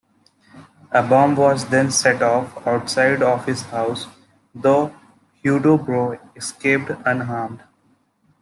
A bomb was then set off outside of his house, though Huidobro escaped unharmed.